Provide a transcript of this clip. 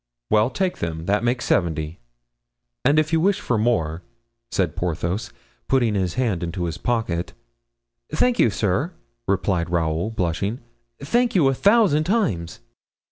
"Well, take them; that makes seventy." "And if you wish for more," said Porthos, putting his hand to his pocket—— "Thank you, sir," replied Raoul, blushing; "thank you a thousand times."